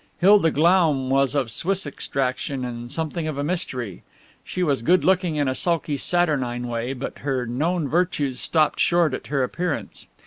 Hilda Glaum was of Swiss extraction, and something of a mystery. She was good looking in a sulky, saturnine way, but her known virtues stopped short at her appearance.